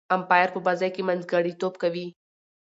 امپایر په بازي کښي منځګړیتوب کوي.